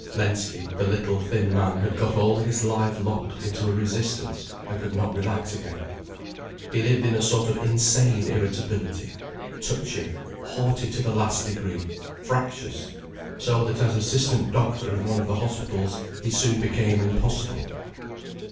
Lensky, the little, thin man, had got all his life locked into a resistance and could not relax again. He lived in a sort of insane irritability, touchy, haughty to the last degree, fractious, so that as assistant doctor in one of the hospitals he soon became impossible.